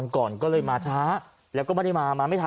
ก่อนพื้นต้นไม้